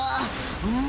うん！